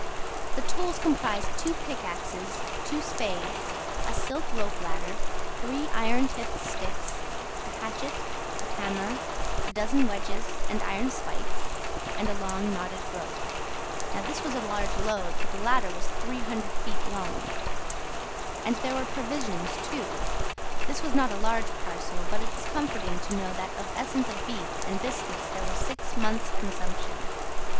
The tools comprised two pickaxes, two spades, a silk ropeladder, three iron tipped sticks, a hatchet, a hammer, a dozen wedges and iron spikes, and a long knotted rope. Now this was a large load, for the ladder was 300 feet long. And there were provisions too: this was not a large parcel, but it was comforting to know that of essence of beef and biscuits there were six months' consumption.